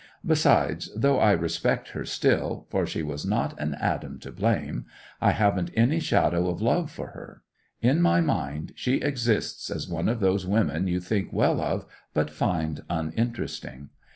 Besides, though I respect her still (for she was not an atom to blame), I haven't any shadow of love for her. In my mind she exists as one of those women you think well of, but find uninteresting.